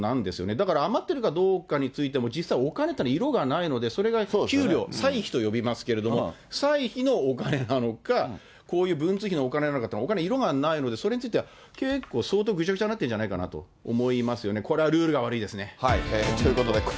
だから余ってるかどうかについても、実際お金というのは色がないので、それが給料、歳費と呼びますけれども、歳費のお金なのか、こういう文通費のお金なのかって、お金、色がないので、それについては結構相当ぐちゃぐちゃになってるんじゃないかと思